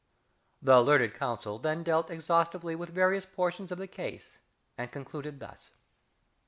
(_The learned Counsel then dealt exhaustively with various portions of the case, and concluded thus.